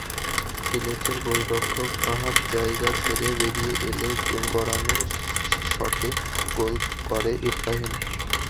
সিলেটের গোলরক্ষক ফাহাদ জায়গা ছেড়ে বেরিয়ে এলে গড়ানো শটে গোল করে ইব্রাহিম।